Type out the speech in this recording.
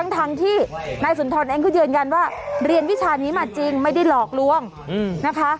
ทั้งที่นายสุนทรเองก็ยืนยันว่าเรียนวิชานี้มาจริงไม่ได้หลอกลวงนะคะ